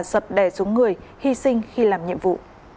sập đẻ xuống người hy sinh khi làm nhiệm vụ